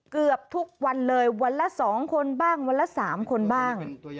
เกือบทุกวันเลยวันละ๒คนบ้างวันละ๓คนบ้าง